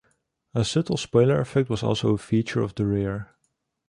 A subtle spoiler effect was also a feature of the rear.